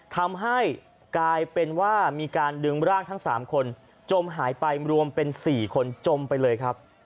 ทำให้กลายเป็นว่ามีการดึงร่างทั้ง๓คนจมหายไปรวมเป็น๔คนจมไปเลยครับ